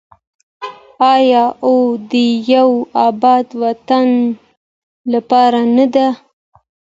آیا او د یو اباد وطن لپاره نه ده؟